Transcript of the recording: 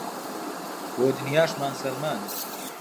بۆ دونیاشمان سەلماند